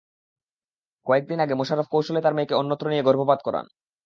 কয়েক দিন আগে মোশারফ কৌশলে তাঁর মেয়েকে অন্যত্র নিয়ে গর্ভপাত করান।